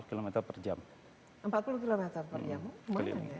empat puluh km per jam lumayan ya